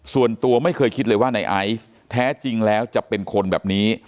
ส่วนตัวไม่เคยคิดเลยว่าในไอซ์แท้จริงแล้วจะเป็นคนแบบนี้